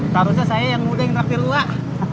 seharusnya saya yang muda yang ngeraktir wak